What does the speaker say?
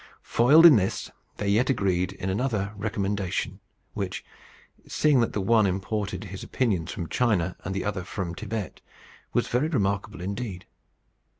Foiled in this, they yet agreed in another recommendation; which, seeing that the one imported his opinions from China and the other from Thibet, was very remarkable indeed.